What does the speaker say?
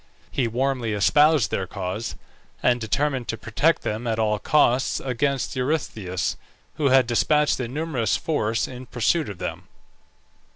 He warmly espoused their cause, and determined to protect them at all costs against Eurystheus, who had despatched a numerous force in pursuit of them.